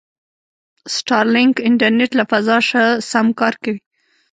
سټارلینک انټرنېټ له فضا شه سم کار کوي.